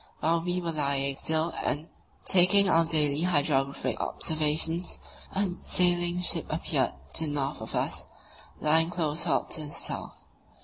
while we were lying still and taking our daily hydrographic observations, a sailing ship appeared to the north of us, lying close hauled to the south.